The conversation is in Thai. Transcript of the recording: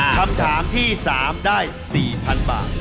คำถามที่สามได้สี่พันบาท